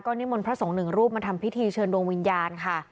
นิมนต์พระสงฆ์หนึ่งรูปมาทำพิธีเชิญดวงวิญญาณค่ะ